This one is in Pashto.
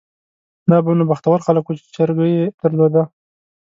دا به نو بختور خلک وو چې چرګۍ یې درلوده.